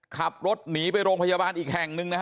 ขับรถหนีไปโรงพยาบาลอีกแห่งหนึ่งนะฮะ